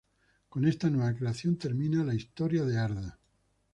Con esta nueva creación termina la Historia de Arda.